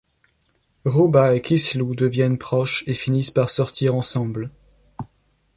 Ruba et Kislu deviennent proches et finissent par sortir ensemble.